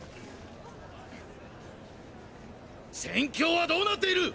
戦況はどうなっている？